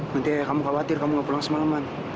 nanti kamu khawatir kamu gak pulang semalaman